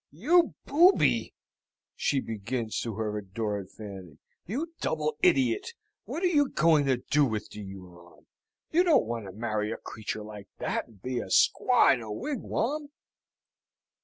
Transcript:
"You booby!" she begins to her adored Fanny. "You double idiot! What are you going to do with the Huron? You don't want to marry a creature like that, and be a squaw in a wigwam?"